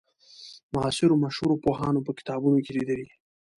معاصرو مشهورو پوهانو په کتابونو کې لیدلې.